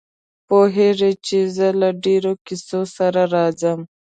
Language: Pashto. پوهېږي چې زه به له ډېرو کیسو سره راځم.